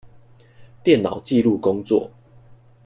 電腦紀錄工作